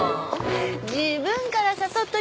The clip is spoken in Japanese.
自分から誘っといて。